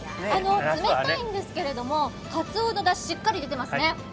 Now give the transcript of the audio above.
冷たいんですけどカツオのだししっかり出ていますね。